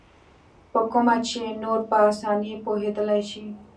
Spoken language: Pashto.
په کومو چې نور په اسانۍ پوهېدلای شي.